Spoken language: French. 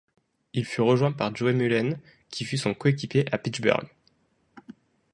Il fut rejoint par Joe Mullen qui fut son coéquipier à Pittsburgh.